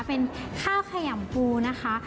เป็นข้าวขยำปูนะคะ